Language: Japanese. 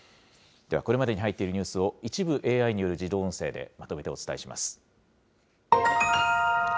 では、これまでに入っているニュースを、一部ＡＩによる自動音声で、まとめてお伝えします。